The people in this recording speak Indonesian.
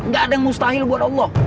gak ada yang mustahil buat allah